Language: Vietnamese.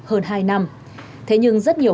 hơn hai năm thế nhưng rất nhiều